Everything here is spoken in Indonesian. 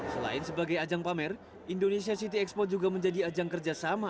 selain sebagai ajang pamer indonesia city expo juga menjadi ajang kerjasama